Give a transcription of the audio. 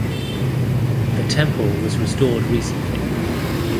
The temple was restored recently.